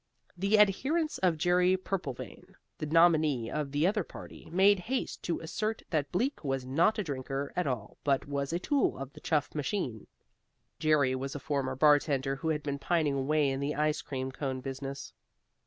The adherents of Jerry Purplevein, the nominee of the other party, made haste to assert that Bleak was not a drinker at all but was a tool of the Chuff machine. Jerry was a former bartender who had been pining away in the ice cream cone business.